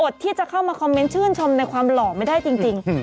ที่จะเข้ามาคอมเมนต์ชื่นชมในความหล่อไม่ได้จริง